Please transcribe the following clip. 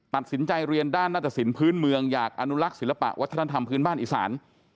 ตัดสินใจเรียนด้านหน้าตะสินพื้นเมืองอยากอนุลักษ์ศิลปะวัฒนธรรมพื้นบ้านอีสาน